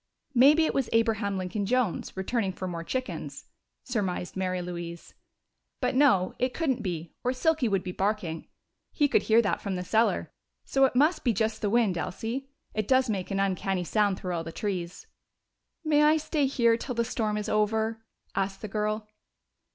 "Maybe it was Abraham Lincoln Jones, returning for more chickens," surmised Mary Louise. "But no, it couldn't be, or Silky would be barking he could hear that from the cellar so it must be just the wind, Elsie. It does make an uncanny sound through all those trees." "May I stay here till the storm is over?" asked the girl.